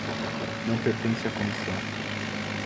Não pertence à comissão.